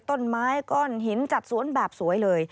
ต้นไม้ก้อนหินจัดสวนแบบสวยเลย